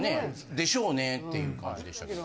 でしょうねっていう感じでしたけど。